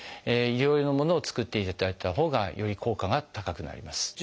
医療用のものを作っていただいたほうがより効果が高くなります。